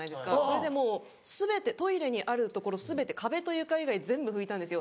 それでもう全てトイレにある所全て壁と床以外全部拭いたんですよ。